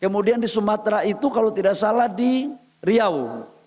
kemudian di sumatera itu kalau tidak salah di riau